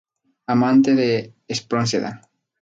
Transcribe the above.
Amante de Espronceda.